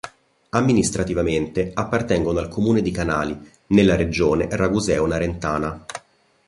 Amministrativamente, appartengono al comune di Canali, nella regione raguseo-narentana.